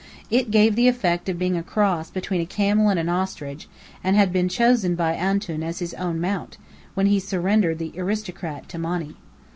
It gave the effect of being a cross between a camel and an ostrich, and had been chosen by "Antoun" as his own mount, when he surrendered the aristocrat to Monny.